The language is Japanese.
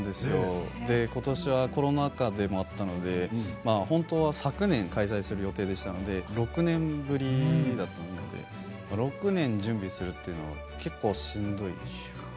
ことしはコロナ禍でもあったので本当は昨年、開催する予定でしたので６年ぶりだったので６年準備するというのは結構しんどい。